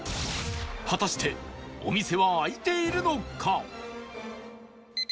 果たしてお店は開いているのか？